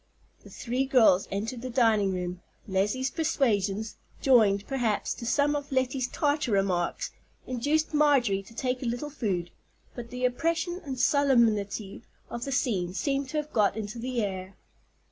The three girls entered the dining room. Leslie's persuasions, joined, perhaps, to some of Lettie's tarter remarks, induced Marjorie to take a little food; but the oppression and solemnity of the scene seemed to have got into the air.